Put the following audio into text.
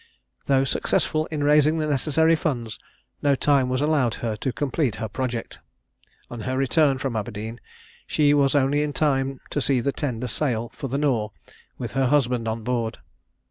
Though successful in raising the necessary funds, no time was allowed her to complete her project. On her return from Aberdeen, she was only in time to see the tender sail for the Nore, with her husband on board.